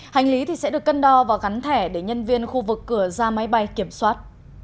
hành lý sẽ được cân đo và gắn thẻ để nhân viên khu vực cửa ra máy bay kiểm soát